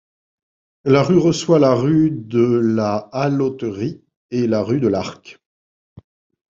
La rue reçoit la Rue de la Halloterie, et la rue de l'Arc.